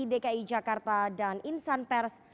dki jakarta dan insan pers